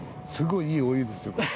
すごいいいお湯ですよ